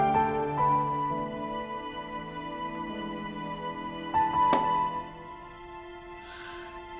ya terima kasih